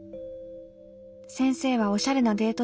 先生はおしゃれなデート